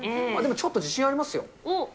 ちょっと自信ありますよ。